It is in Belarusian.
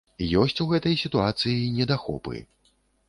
Ёсць у гэтай сітуацыі і недахопы.